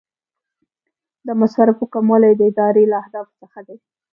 د مصارفو کموالی د ادارې له اهدافو څخه دی.